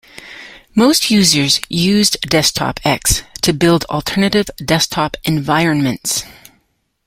Most users used DesktopX to build alternative desktop environments.